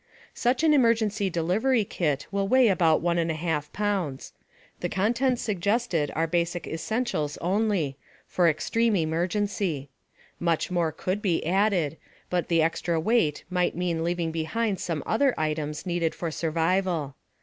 Such an emergency delivery kit will weigh about 1 1/2 pounds. The contents suggested are basic essentials only, for extreme emergency. Much more could be added, but the extra weight might mean leaving behind some other items needed for survival.